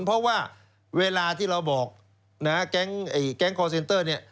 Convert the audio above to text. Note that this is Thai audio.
เพราะว่าเวลาที่เราบอกนะฮะแก๊งคอร์เซนเตอร์เนี่ย